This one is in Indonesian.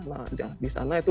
nah di sana itu